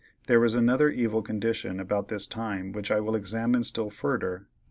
There is another evil condition about this time which I will examine still furder.